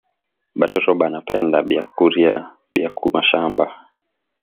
Batoto bana penda biakuria Bia ku mashamba